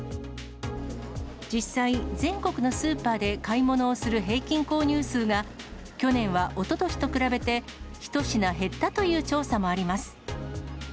実際、全国のスーパーで買い物をする平均購入数が、去年はおととしと比べて、１品減ったという調査もあります。